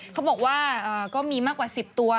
เขาบอกว่าก็มีมากกว่า๑๐ตัว